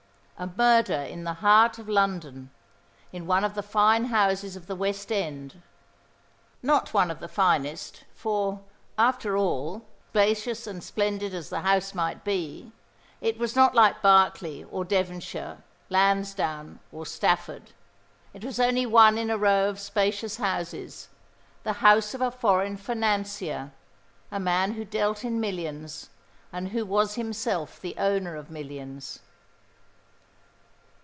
A murder in the heart of London, in one of the fine houses of the West End; not one of the finest, for, after all, spacious and splendid as the house might be, it was not like Berkeley or Devonshire, Lansdowne or Stafford. It was only one in a row of spacious houses, the house of a foreign financier, a man who dealt in millions, and who was himself the owner of millions.